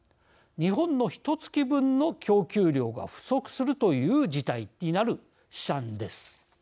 日本のひとつき分の供給量が不足するという事態になる試算です。